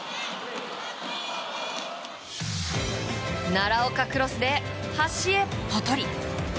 奈良岡クロスで端へポトリ。